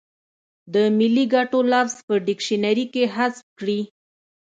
د ملي ګټو لفظ په ډکشنري کې حذف کړي.